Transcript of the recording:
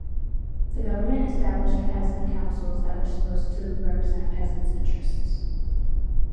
The government established peasant councils that were supposed to represent peasant interests.